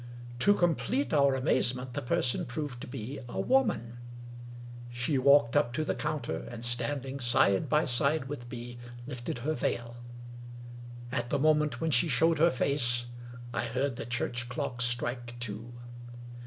To complete our amazement, the person proved to be a woman ! She walked up to the counter, and standing side by side with me, lifted her veiL At the moment when she showed her face, I heard the church clock strike two.